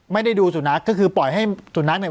ไม่ได้ดูสุนัขก็คือปล่อยให้สุนัขเนี่ย